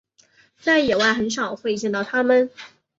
在野外很少会见到它们。